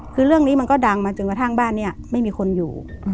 คือเรื่องนี้มันก็ดังมาจนกระทั่งบ้านนี้ไม่มีคนอยู่